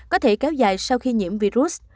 có thể kéo dài sau khi nhiễm virus